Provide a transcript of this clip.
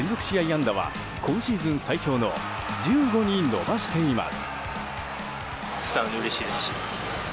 安打は今シーズン最長の１５に伸ばしています。